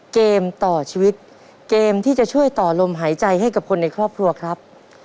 เกมต่อชีวิตเกมที่จะช่วยต่อลมหายใจให้กับคนในครอบครัวครับ